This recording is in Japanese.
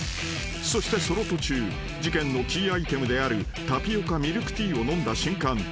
［そしてその途中事件のキーアイテムであるタピオカミルクティーを飲んだ瞬間